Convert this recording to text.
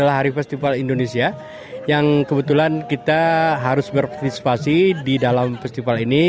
adalah hari festival indonesia yang kebetulan kita harus berpartisipasi di dalam festival ini